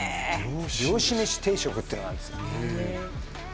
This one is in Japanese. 漁師めし定食っていうのがあるんですよ